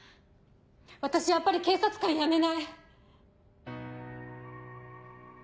私やっぱり警察官辞めない。